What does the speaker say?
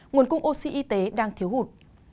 nguồn cung oxy y tế đang thiếu hụt